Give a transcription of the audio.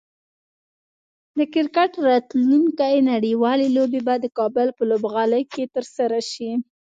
د کرکټ راتلونکی نړیوالې لوبې به د کابل په لوبغالي کې ترسره شي